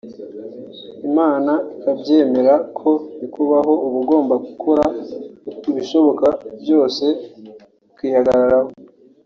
Imana ikabyemera ko bikubaho uba ugomba gukora ibishoboka byose ukihagararaho